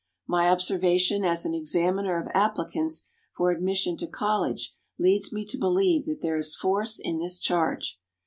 My observation as an examiner of applicants for admission to college leads me to believe that there is force in this charge.